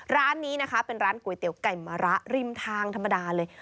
ร้านนี้นะคะเป็นร้านก๋วยเตี๋ยวไก่มะระริมทางธรรมดาเลย